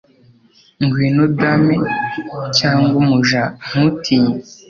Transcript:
Ngwino dame cyangwa umuja, ntutinye,